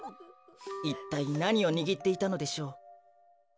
いったいなにをにぎっていたのでしょう？